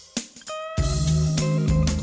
ขอบคุณนะครับ